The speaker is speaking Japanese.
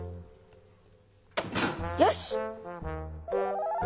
よし！